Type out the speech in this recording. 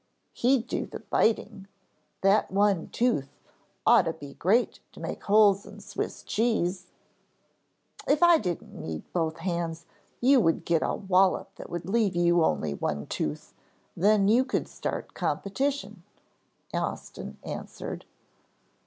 "He'd do the biting that one tooth ought to be great to make holes in Swiss cheese!" "If I didn't need both hands you would get a wallop that would leave you only one tooth, then you could start competition," Austin answered.